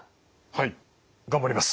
はい頑張ります。